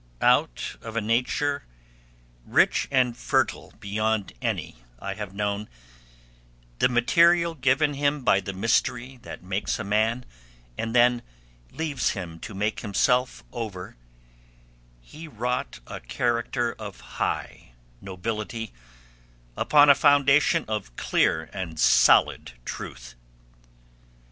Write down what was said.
Out of a nature rich and fertile beyond any I have known, the material given him by the Mystery that makes a man and then leaves him to make himself over, he wrought a character of high nobility upon a foundation of clear and solid truth.